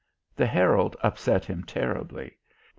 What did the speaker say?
The Herald upset him terribly.